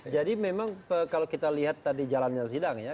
jadi memang kalau kita lihat tadi jalan yang sidang ya